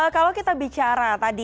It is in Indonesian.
kalau kita bicara tadi